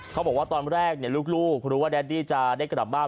เขาบอกว่าตอนแรกลูกรู้ว่าแดดดี้จะได้กลับบ้าน